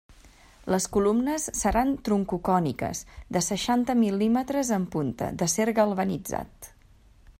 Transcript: Les columnes seran troncocòniques, de seixanta mil·límetres en punta, d'acer galvanitzat.